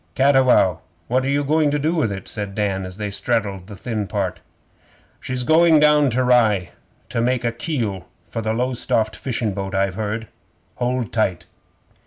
'Cattiwow, what are you going to do with it?' said Dan, as they straddled the thin part. 'She's going down to Rye to make a keel for a Lowestoft fishin' boat, I've heard. Hold tight!